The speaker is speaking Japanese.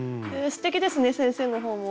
すてきですね先生の方も。